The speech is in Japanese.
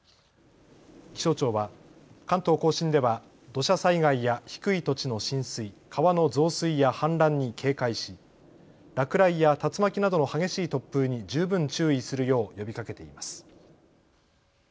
気象庁は関東甲信では土砂災害や低い土地の浸水、川の増水や氾濫に警戒し落雷や竜巻などの激しい突風に十分注意するよう呼びかけています。